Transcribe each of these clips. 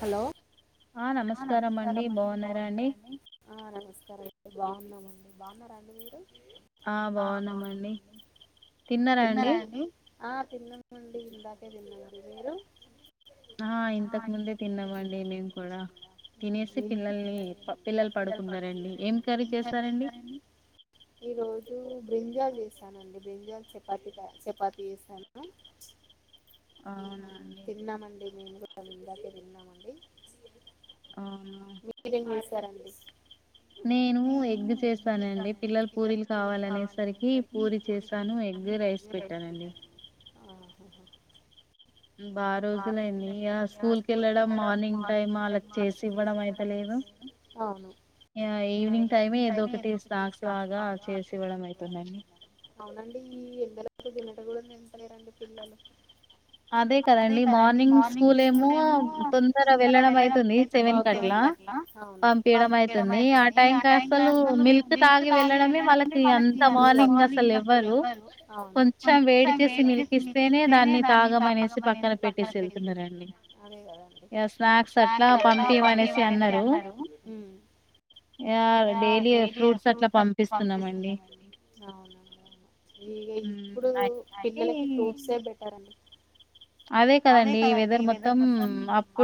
Hello ఆ నమస్కారం అండి బాగున్నారా అండి అ నమస్ సరే అయితే బావున్నమండి బావున్నారండి మీరు ఆ బావున్నామండి తిన్నారా అండి ఆ తిన్నమండి ఇందాకే తిన్నాం అండి మీరు హా ఇంతకు ముందే తిన్నం తిన్నం అండి మేము కూడా తినేసి పిల్లల్ని ప పిల్లలు పడుకుంటారండి ఏం కర్రీ చేశారు అం చేసారని ఈ రోజు బ్రింజల్ చేసానండి బ్రింజల్ చపాతి ద చపాతి చేసాను అవునా అండి మేము కూడా ఇందాకే తిన్నమండీ అవునా సరే నేను ఎగ్ చేస్తానండి పిల్లలు పూరీలు కావాలి అనేసరికి పూరి చేశాను ఎగ్ రైస్ పెట్టానండి. బా రోజులు అయింది ఈగ స్కూల్ కి కెళ్ళడం మార్నింగ్ టైమ్ వాళ్ళకి చేసి ఇవ్వడం అయితలేదు ఇగ ఈవినింగ్ టైమే ఏదో ఒకటి స్నాక్స్ లాగా చేసి ఇవ్వడం అయితుంది అండి అవునండి ఈ ఎండలకు తినట కూడా తింటలేరండి అసలు పిల్లలు అదే కదా అండి మార్నింగ్ స్కూల్ ఏమో తొందర వెళ్ళడం అయితుంది సెవెన్ కట్లా పంపియడం అయితుంది ఆ టైమ్ ఇంకా అసలు మిల్క్ తాగి వెళ్ళడమే వాళ్ళకి అంత మార్నింగ్ అసలు లెవ్వరూ కొంచెం వేడి చేసి మిల్క్ ఇస్తేనే దాన్ని దాన్ని తాగం అనేసి పక్కన పెడుతుంటారు అండి అదే గదా అండి స్నాక్స్ అట్లా పంపియమనేసి అన్నారు ఇగ డైలీ ఫ్రూట్స్ అట్లా పంపిస్తున్నామండి అవునా అండి ఇగ ఇప్పుడు పిల్లలకి ఫ్రూట్స్ ఏ బెటర్ అండి అదే కదా అండి ఈ వెదర్ మొత్తం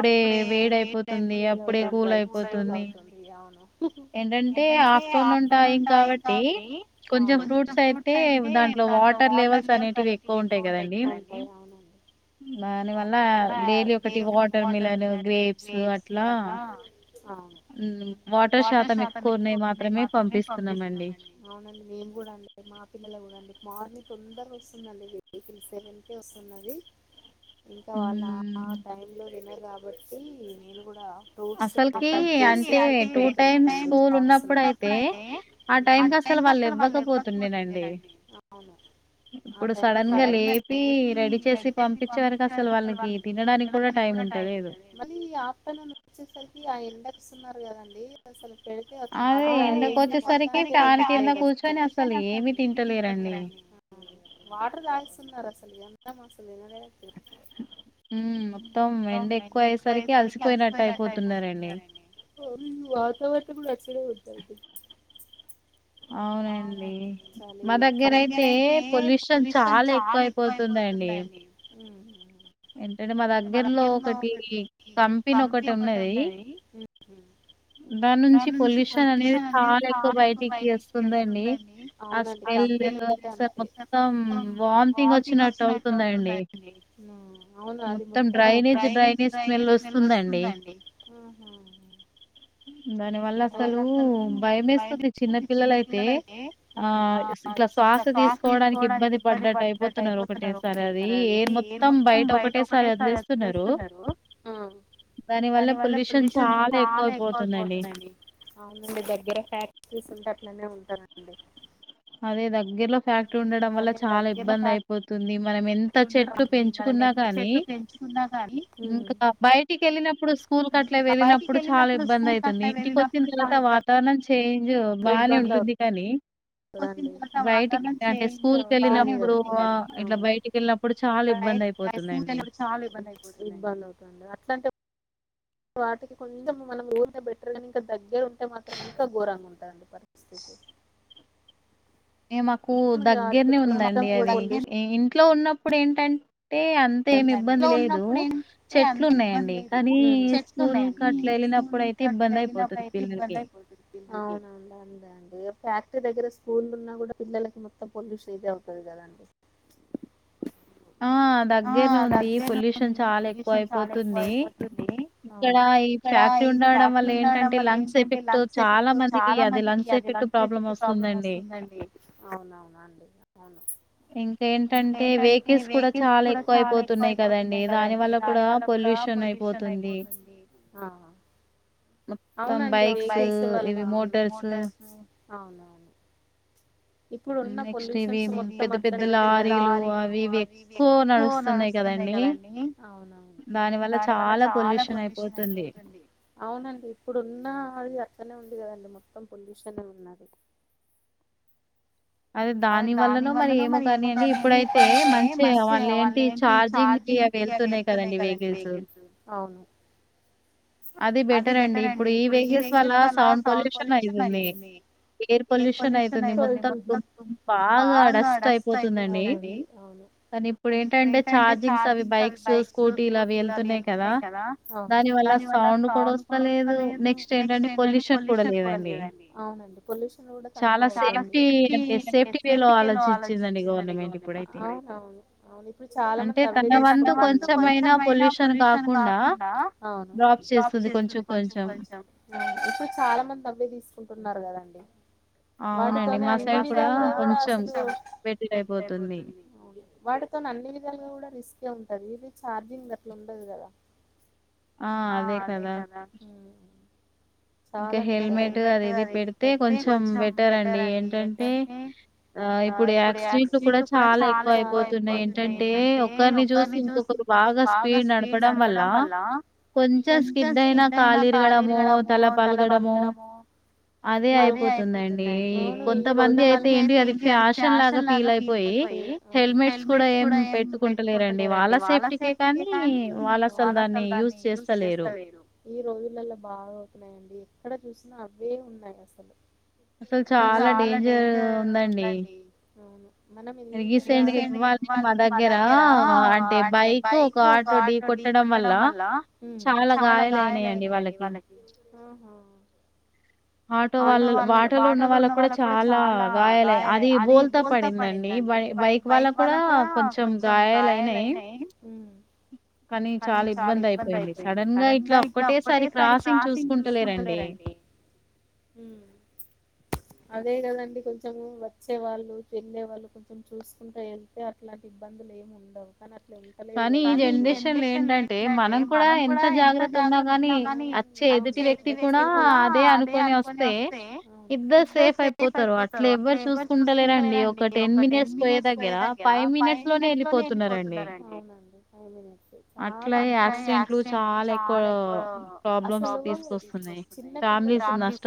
అప్పుడే వేడి అయిపోతుంది అప్పుడే కూల్ అయిపోతుంది అవును ఏంటంటే అఫ్టర్నూన్ టైమ్ కాబట్టి అవును కొంచం ఫ్రూట్స్ అయితే దాంట్లో వాటర్ లెవెల్స్ అనేవి ఎక్కువ ఉంటాయి కదా అండి ఆ అవునండి దాని వల్ల డైలీ ఒకటి వాటర్ మిలన్ గ్రేప్స్ అట్లా వాటర్ శాతం ఎక్కువ ఉంటే మాత్రమే పంపిస్తున్నామండి అవునండి మేం కూడా అండి మా పిల్లలు కూడా అండి మార్నింగ్ తొందరుగా వస్తుందండి వెహికల్ సెవెన్ కే వస్తున్నది ఇంగ వాళ్ళ ఆ టైమ్ లో తినరు కాబట్టి నేను కూడా ఫ్రూట్స్ ప్రిపేర్ చేసి పెడుతున్నాను అండి బాక్స్ లో ఇంగ అసలు వాళ్ళు లెవ్వకపోతుడునే అండి అవును ఇప్పుడు సడన్ గా లేపి రెడీ చేసి పంపించేవారికి అసల అసలు వాళ్ళకి తినడానికి కూడా టైమ్ ఉంటలేదండీ మరీ అఫ్టర్నూన్ వచ్చేసరికి ఆ ఎండకి వస్తున్నారు కదండి అసలు అదే ఎండకు వచ్చేసరికి ఫ్యాన్ కింద కూర్చొని అసలు ఏమి తింటలేరండి వాటర్ తగేసీ ఉన్నారు అసలు ఎండ ఏమో అసలు హు మొత్తం ఎండ ఎక్కువ అయ్యేసరికి అలసిపోయినట్టు అయిపోతున్నారండి వాతావరణం కూడా అట్లనే ఉందండీ అవునండి మా దగ్గర అయితే పొల్యూషన్ చాలా ఎక్కువ అయిపోతుందండి డైన్ ఏంటంటే మా దగ్గర్లో ఒకటి కంపనీ ఒకటి ఉన్నది దాని నుంచి పొల్యూషన్ అనేది చాలా ఎక్కువ బయటికి వస్తుంది దండి ఆ స్మెల్ అస మొత్తం వాంటింగ్ వచ్చినట్టు అవుతుంది అవుతుందండీ ఆ అవును అది ముందు డ్రైనేజ్ డ్రైనేజ్ స్మెల్ వస్తుందండి ఉ దాని వల్ల అసలు భయ వేస్తుంది చిన్న పిల్లల అయితే ఆ ఇట్లా స్ శ్వాస తీసుకోవడానికి ఇబ్బంది పడ్డట్టు అయిపోతున్నారు ఒకటేసారి అది ఏ మ ఎయిర్ మొత్తం బయట ఒకటే సారి అంత వదిలేస్తున్నారు. దాని వల్ల పొల్యూషన్ చాలా ఎక్కువ పోతుంది అవునండి దగ్గర ఫ్యాక్టరీస్ ఉంటే అట్లనే ఉంటానండి అదే దగ్గరలో ఫ్యాక్టరీ ఉండడం వల్ల చాలా ఇబ్బంది అయిపోతుంది మనం ఎంత చెట్లు పెంచుకున్నా గానీ ఇంకా బయటికి వెళ్ళిన ఇప్పుడు స్కూల్ కట్లా వెళ్ళినప్పుడు చాలా ఇబ్బంది అయితుంది. ఇంటికి వచ్చిన తర్వాత వాతావరణం చే జో బానే ఉంటుంది కానీ బయటికి అంటే స్కూల్ క వెళ్ళినప్పుడు ఇట్లా బయటికి వెళ్ళినప్పుడు చాలా ఇబ్బంది దాని స్కూల్ కి వెళ్ళినపుడు చాలా ఇబ్బంది అయిపోతుంది. విబా లో అట్లాంట వాటికి కొంచెం మనం ఊరి బెటర్ గానీ ఇంకా దగ్గర ఉంటే మాత్రం ఇంకా ఘోరంగా ఉం అలాంటి పరిస్థితి ఏ మాకు దగ్గరనే ఉందండి అది ఇంట్లో ఉన్నప్పుడు ఏంటం టే అంత ఏమి ఇబ్బంది లేదు. చెట్లు ఉన్నాయండి కానీ స్కూల్ కి అట్లే ఏ స్కూల్ ఉందంటేనా గినా అప్పుడుయితే ఇబ్బందాయిపోతుంది అవునవునులెండి ఏ ఫ్యాక్టరీ దగ్గర స్కూల్లు ఉన్నా కూడా పిల్లలకి మొత్తం పొల్యూషన్ ఇదే అవుతుంది కదండి. ఆ ఆదిఅద్దెనమ్మ పొల్యూషన్ చాలా ఎక్కువ అయిపోతుంది అవును ఇక్కడ ఈ ఫ్యాట్లు ఉండడం వల్ల ఏంటంటే లంగ్స్ ఎఫెక్ట్ చాలా మందికి అది లంగ్స్ ఎఫెక్ట్ ప్రాబ్లమ్. ప్రోమో వస్తుందండి అవునవునా అండి అవును ఇంకా ఏంటంటే వెహికల్స్ కూడా చాలా ఎక్కువ అయిపోతున్నాయి కదండి దాని వల్ల కూడా పొల్యూషన్ అయిపోతుంది. అవునండి బైక్ వల్ల అవును మోటార్స్ అవునవును ఇప్పుడు ఉన్న పొల్యూషన్స్ మొత్తం అట్లా లారీలు వారీ అవివీ ఎక్కువ నడుస్తున్నాయి. అంతే కదండి అవునవును దాని వల్ల చాలా పొల్యూషన్ అయిపోతుంది అవునండి. ఇప్పుడు ఉన్న ఆయి అక్కనే ఉంది కదండి మొత్తం పొల్యూషన్ ఉన్నది. అదే దాని వల్లనో మరి ఏమో కానియండి ఇప్పుడైతే మంచిగా వాళ్ళ ఏంటి చార్జింగ్ య వేల్తున్నాయి కదండి వెహికిల్స్ అది బెటర్ అండి ఇప్పుడు ఈ వెహికల్స్ వల్ల సౌండ్ పొల్యూషన్ అయితుంది. ఎయిర్ పొల్యూషన్ అయితుంది మొత్తం బాగా డస్ట్ అయిపోతుందండి అవునండి అవును కాని ఇప్పుడు ఏంటంటే చార్జింగ్స్ అవి బైక్స్, స్కూటీలు అవి వెళ్తున్నాయి కదా అవును దాని వల్ల సౌండ్ కూడా వస్తాలేదు, నెక్స్ట్ ఏంటంటే పొల్యూషన్ కూడా లేదండి. అవునండి పొల్యూషన్ చాలా సేఫ్టీ కంటే సేఫ్టీ వే ఆలోచించిందండి అవునవును అవును ఇప్పుడు చాలా మంది అ ఇంత వందు కొంచెమైనా పొల్యూషన్ కాకుండా అవును బ్లాక్ చేస్తుంది. కొంచెం కొంచెం ఇప్పుడు చాలా మంది డబ్బే తీసుకుంటున్నారు కదండి. వాటితోనే అన్నివిధాలుగా కూడా అసలు నెట్ అయిపోతుంది వాటితో అన్ని విధాలుగా కూడా రిస్కె ఉంది. ప్రతిది చార్జింగ్ గట్ల ఉండదు కదా. ఆ అదే కదా ఊ ఇంక హెల్మెట్ అది ఇది పెడితే కొంచెం బెటర్ అండి ఏంటంటే ఆ ఇప్పుడు యాక్సిడెంట్లు కూడా చాలా ఎక్కువ అయిపోతున్నాయి. ఏంటంటే ఒకరిని చూసి ఒకపక్క బాగా స్పీడ్ నడపడం వల్లా కొంచెం స్కిడ్ అయినా కాల్లిర్గడము తల పలగడము అవే అయిపోతున్నాయండి అవును ఈ రో కొంత మంది అయితే ఏంటి అది ఫ్యాషన్ లాగా ఫీల్ అయిపోయి హెల్మెట్స్ కూడా ఏం పెట్టుకుంటలే లేరండి వాళ్ళ సేఫ్టీకే కానీ వాళ్ళ అసలు దాన్ని యూజ చేస్తలేరు ఈ రోజులలో బాగా అవుతున్నాయండి ఎక్కడ చూసినా అవే ఉన్నాయి అసలు. అసలు చాలా డేంజ్ డేంజర్ ఉందండి అవును మనం ఎంత రీసెంట్ గా ఇవ్వాలి మా దగ్గరా అంటే బైక్, ఒక ఆటో ఢీ కొట్టడం వల్ల ఊ చాలా గాయాలయినాయండి వాళ్ళకి అహ ఆటో వాళ్ళ ఆటోలో ఉన్నవాళ్ళకూడా చాలా గాయాలయ్ అది బోల్తా పడిందండి డి బైక్ వాళ్ళక్కూడా కొంచెం గాయాలైనయ్ కానీ చాలా ఇబ్బంది అయిపోయింది, సడన్ గా ఇట్లా ఒక్కటేసారి క్రాసింగ్ చూసుకుంటలేరండి. ఉమ్ అదే కదండి కొంచెము వచ్చే వాళ్ళు ఎల్ళే వాళ్ళు కొంచెం చూసుకుంట వెళ్తే అట్లాంటి బా దలేముండవు కాన కానీ ఈ జనరేషన్ లో ఏంటంటే మనం కూడా ఎంత జాగ్రత్త ఉన్నా గాని అచ్చే ఎదుటి వ్యక్తి కూడా అదే అనుకొని వస్తే ఇద్దరు సేఫ్ అయిపోతారు అట్లా ఎవరు చూసుకుంటలేరండి ఒక టెన్ మినె దగ్గర ఫైవ్ మినిట్స్ లోనే ఎళ్ళిపోతున్నారండి మేసేజ్ అట్లా యాక్సిడెంట్లు చాలా ఎక్కువ ప్రాబ్లం తీసుకొస్తున్నాయి ఫ్యామిలీస్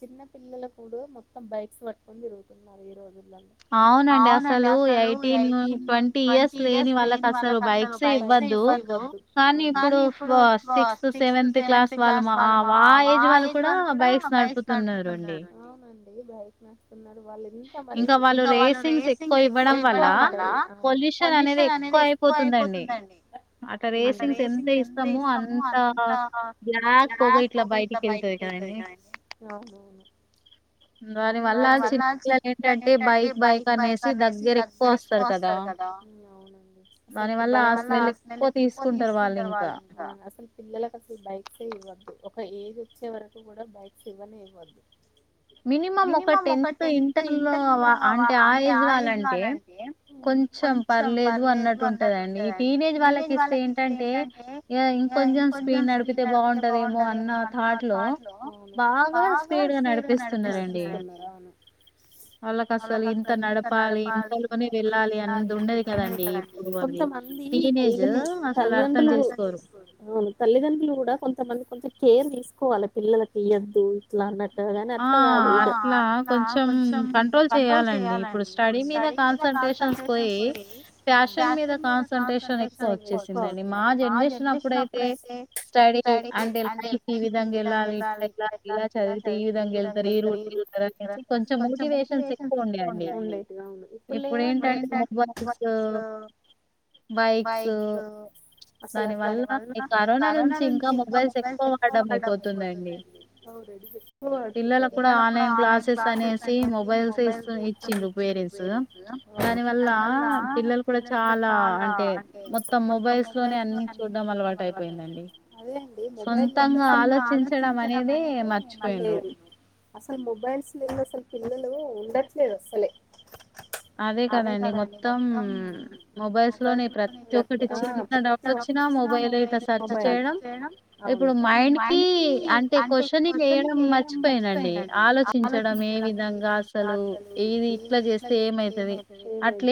చిన్న పిల్లలు కూడు మొత్తం బైక్స్ పట్టుకొని తిరుగుతున్నారు ఈ రోజుల్ అవునండి అసలు ఎయిటీన్ ట్వంటీ ఇయర్స్ లేని వాళ్ళకి అసలు బై కే ఇవ్వద్ధు కానీ ఇప్పుడు సిక్స్త్ సెవెంత క్లాస్ వాళ్ళ మా వా ఆ ఏజ్ వాళ్ళు కూడా బైక్స్ నడుపుతున్నారండి ఇంకా వాళ్ళు రేసింగ్స్ ఎక్కువ ఇవ్వడం వల్ల పొల్యూషన్ అనేది ఎక్కువ అయిపోతుందండి అట్ల రేసింగ్స్ ఎంత ఇస్తమో అంత లాస్ పొగ ఇట్లో బయటికెళ్తదికదండి వారి వల్ల చిప్ ఏంటంటే బైక్ బైక్ అనేసి దగ్గర ఎక్కువ వస్తారు కదా అసలు పిల్లలకసలు, అసలు పిల్లలకసలు బైక్సే ఇవ్వద్దు ఒక ఏజ్ వచ్చే వరకు కూడా బైక్స్ ఇవ్వనే ఇవ్వద్దు మినిమం ఒక టెన్త్ ఇంటర్ లో అంటే ఆ ఏజ్ వాళ్ళంటే కొంచెం పర్లేదు అన్నట్టు ఉంటదండి ఈ టీనేజ్ వాళ్ళకిస్తే ఏంటంటే ఇం కొంచెం స్పీడ్ నడిపితే బావుంటదేమో అన్న తాట్ లో బాగా స్పీడ్ నడిపిస్తున్నారండి వాళ్ళకసలు ఇంత నడపాలి ఇంతలోనే వెళ్ళాలి అని ఉండదు కదండి మంది తల్లిదం తల్లిదండ్రులు గు అవును తల్లిదండ్రులు కూడా కొంతమంది కొంచెం కేర్ తీసుకోవాలి పిల్లలకియోద్దు ఇట్లా అన్నట్ అ కాని అట్లా కాదు కాన్సన్ట్రేషన్ పోయి ఫ్యాషన్ మీద కాన్సన్ట్రేషన్ ఎక్కువ అవుతుందండి మా జన్రే షన్ అప్పుడయితే స్టడీ అంటే లైఫ్ ఈ విధంగా వెళ్ళాలి ఇలా ఈ విధంగా ఎల్తారు ఈ రూట్కెళ్తరు అనేసి కొంచెం మోటివేషన్స్ ఎక్కువ ఉండే అండి ఇప్పులే ఇప్పుడేంటంటే మెుబైల్స్ బైక్స్ దాని వల్ల ఈ కరోనా నుంచి ఇంకా మొబైల్స్ ఎక్కువ వాడడం అయి పోతుందండి పిల్లలకు కూడా ఆన్లైన్ క్లాసెస్ అనేసి మొబైల్స్ [unintelligible] ఇచ్చిండ్రు పేరెంట్స్ దాని వల్ల పిల్లలు కూడా చాలా అంటే మొత్తం మొబైల్స్ లోనే అ చూడ్డం అలవాటు అయిపోయింది అండి, సొంతంగా ఆలోచించడం అనేదే లేదు అసలు మొబైల్స్ లేంది అసలు పిల్లలు ఉండట్లేదు అస్సలే అదే కదండి మొత్తం మొబైల్స్ లోనే ప్రతి ఒక్కటి చిన్న డౌటోచ్ వచ్చిన మెుబైల్ ఇట్ట సెర్చ్ చేయడం, ఇప్పుడు మా మైండ్ కి అంటే క్వశ్చనింగ్ వేయడం మర్చిపోయానండి, ఆలోచించడం ఏ విధంగా అసలు ఇది ఇట్లా చేస్తే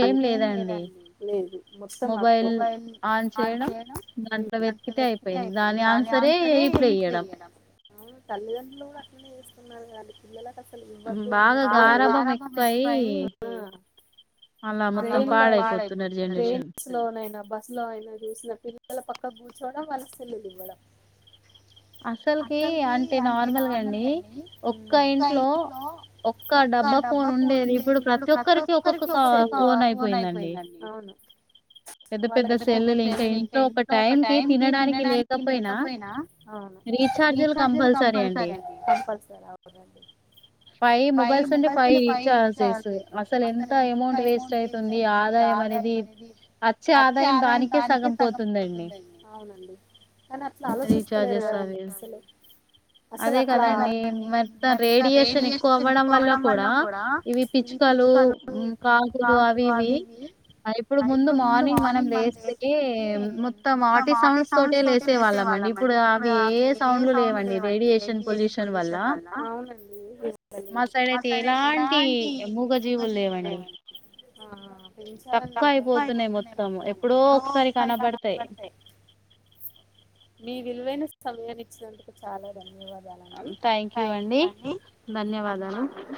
అట్లేమిలేదండి మొబైల్ ఆన్ చే చిన [unintelligible] అయిపోయింది దాని అవును తల్లిదండ్రులు కూడా అట్లనే చేస్తున్నారు కాని పిల్లలకస్ బాగా గారభం ఎక్కువయ్ ట్రైన్స్ లోనైనా బస్ లో అయినా చూసిన పిల్లల పక్ తొక్కుకోవడం మనస్సులో ఇవ్వడం అసలుకి అంటే నార్మల్గా అండి ఒక్క ఇంట్లో ఒక్క డబ్బా ఫోన్ ఉండేది ఇప్పుడు ప్రతి ఒక్కరికి ఒక్కొక్క ఫోన్ అయిపోయిందండి పెద్ద పెద్ద సెల్లులు ఇంకా ఇంట్లో ఒక టైం కి తినడానికి లేకపోయినా రీఛార్జ్లు కంపల్సరీ అండి ఫైవ్ మొబైల్స్ అంటే ఫైవ్ రీచార్జెస్ అసలు ఎంత అమౌంట్ వేస్ట్ అవుతుంది ఆదాయం అనే వచ్చే ఆదాయం దానికే సగం తుందండి అవునండి కానీ అట్లా ఆలోచిస్ త డే అసలు అసలు అట్ల మరి రేడియేషన్ ఎక్కువ అవడం వల్ల కూడా ఇ పిచ్చకలు బాంట అవి ఇవి ఇప్పుడు ముందు మార్నింగ్ మనకే సి మొత్తం ఆల్టీసౌండ్స్ తోటె లేసేవాల్ అలా మం అ ఏ సౌండ్ లేవండి రేడియేషన్ పొల్యషన్ వల్ ఎలాంటి మూగ జీవులు లేవు తక్కువ అయిపోతున్నాయి మొత్తం ఎప్పుడో ఒకసారి కనబడతాయి మీ విలువైన సమయాన్ని ఇచ్చినందుకు చాలా ధన్యవాదాలు దాలండి థ్యాంక్ యూ అండి ధన్యవాదం